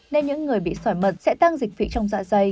nên những người bị sỏi mật sẽ tăng dịch vị trong dạ dày